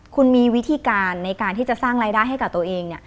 คุณมีวิธีการในการที่จะสร้างรายได้ให้กับตัวเอง